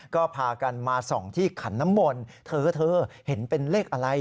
ก็พากันมาส่องที่ขันน้ำมนต์เธอเธอเห็นเป็นเลขอะไร